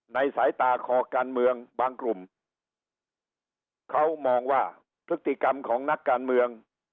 สายตาคอการเมืองบางกลุ่มเขามองว่าพฤติกรรมของนักการเมือง